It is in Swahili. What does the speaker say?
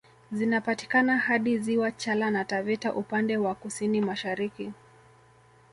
Zinapatikana hadi ziwa Chala na Taveta upande wa kusini mashariki